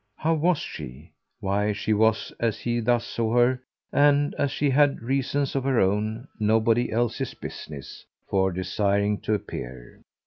How was she? why she was as he thus saw her and as she had reasons of her own, nobody else's business, for desiring to appear.